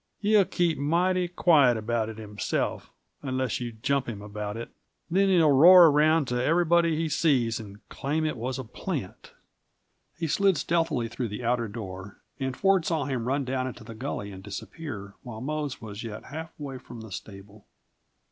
He'll keep mighty quiet about it himself unless you jump him about it. Then he'll roar around to everybody he sees, and claim it was a plant." He slid stealthily through the outer door, and Ford saw him run down into the gully and disappear, while Mose was yet half way from the stable.